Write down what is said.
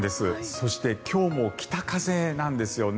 そして今日も北風なんですよね。